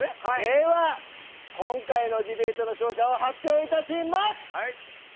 では、今回のディベートの勝者を発表致します！